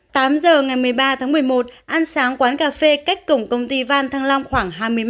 một mươi tám h ngày một mươi ba tháng một mươi một ăn sáng quán cà phê cách cổng công ty vạn thăng long khoảng hai mươi m